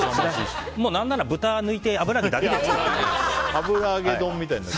何なら豚を抜いて油揚げだけで作ってもいいです。